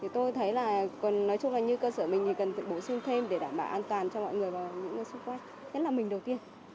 thế là mình đầu tiên